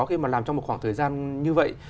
khi mà làm trong một khoảng thời gian như vậy